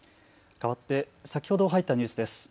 かわって先ほど入ったニュースです。